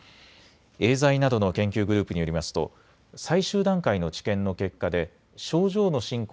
エーザイなどの研究グループによりますと最終段階の治験の結果で症状の進行